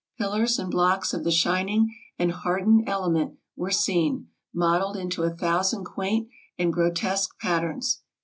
Pillars and blocks of the shining and hardened element were seen, modeled into a thousand quaint and grotesque pat terns.